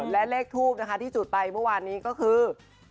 และเลขทูปนะคะที่จุดไปเมื่อวานนี้ก็คือ